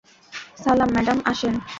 সালাম ম্যাডাম, আসেন।